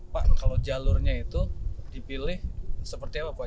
pak kalau jalurnya itu dipilih seperti apa pak